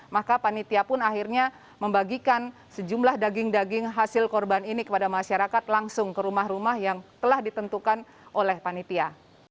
maka panitia pun akhirnya membagikan sejumlah daging daging hasil korban ini kepada masyarakat langsung ke rumah rumah yang telah ditentukan oleh panitia